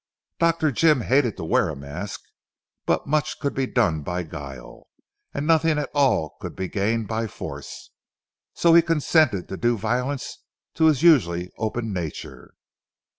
Dr. Jim hated to wear a mask, but much could be done by guile, and nothing at all could be gained by force, so he consented to do violence to his usually open nature.